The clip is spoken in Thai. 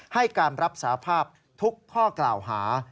ให้การรับสาภาพทุกข้อกล่าวหา